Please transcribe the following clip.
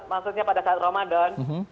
maksudnya pada saat ramadan